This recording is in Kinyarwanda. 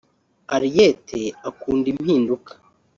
Henriette akunda impinduka